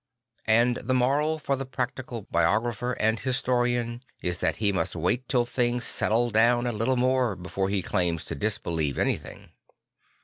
And the moral for the practical biographer and historian is that he must wait till things settle down a little more, before he claims to disbelieve anything.